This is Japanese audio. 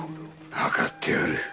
わかっておる。